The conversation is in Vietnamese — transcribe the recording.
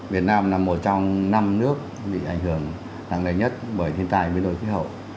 việt nam là một trong năm nước bị ảnh hưởng nặng nề nhất bởi thiên tai biến đổi khí hậu